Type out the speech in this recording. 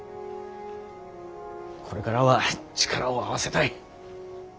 これからは力を合わせたい。